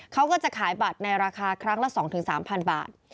เขาก็จะขายบัตรในราคาครั้งละ๒๓๐๐บาท